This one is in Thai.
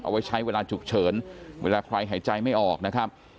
เอาไว้ใช้เวลาฉุกเฉินเวลาใครหายใจไม่ออกนะครับ